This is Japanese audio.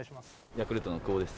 ヤクルトの久保です。